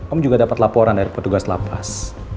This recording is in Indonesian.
om juga dapat laporan dari petugas lapas